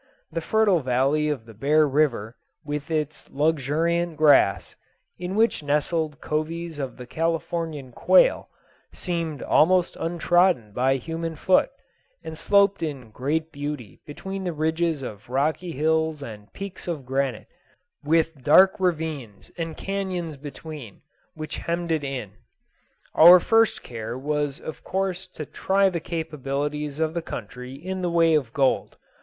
The fertile valley of the Bear River with its luxuriant grass, in which nestled coveys of the Californian quail seemed almost untrodden by human foot, and sloped in great beauty between the ridges of rocky hills and peaks of granite, with dark ravines and canones between, which hemmed it in. Our first care was of course to try the capabilities of the country in the way of gold.